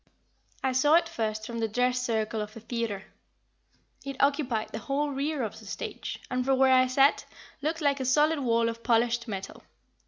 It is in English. I saw it first from the dress circle of a theater. It occupied the whole rear of the stage, and from where I sat, looked like a solid wall of polished metal.